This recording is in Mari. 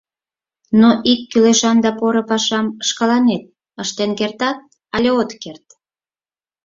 Но ик кӱлешан да поро пашам шкаланет ыштен кертат але от керт?